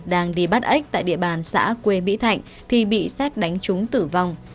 đang đi bắt ếch tại địa bàn xã quê mỹ thạnh thì bị xét đánh trúng tử vong